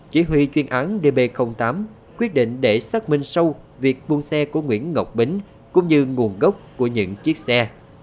chỉ huy chuyên án db tám quyết định để xác minh sâu việc buôn xe của nguyễn ngọc bính cũng như nguồn gốc của những chiếc xe